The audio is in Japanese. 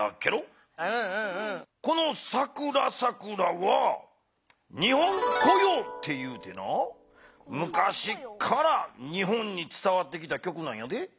この「さくらさくら」は日本古謡と言うてなむかしから日本につたわってきた曲なんやでゲロ。